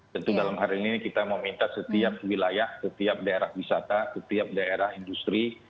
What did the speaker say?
tentu dalam hari ini kita meminta setiap wilayah setiap daerah wisata setiap daerah industri